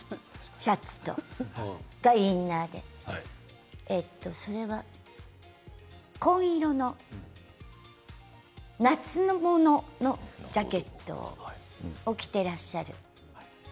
シャツがインナーでそれは紺色の夏物のジャケットを着ていらっしゃる。